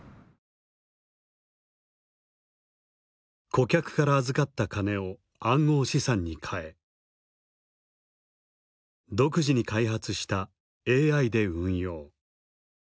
顧客から預かった金を暗号資産に替え独自に開発したＡＩで運用。